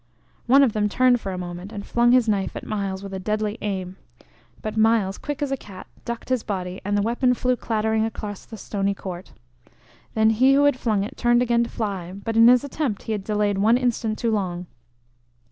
One of them turned for a moment, and flung his knife at Myles with a deadly aim; but Myles, quick as a cat, ducked his body, and the weapon flew clattering across the stony court. Then he who had flung it turned again to fly, but in his attempt he had delayed one instant too long.